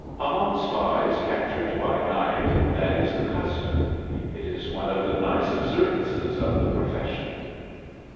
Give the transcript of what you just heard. "Among spies captured by night that is the custom. It is one of the nice observances of the profession."